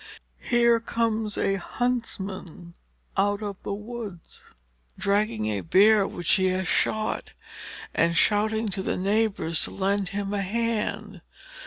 Here comes a huntsman out of the woods, dragging a bear which he has shot, and shouting to the neighbors to lend him a hand.